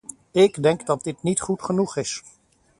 Ik denk dat dit niet goed genoeg is.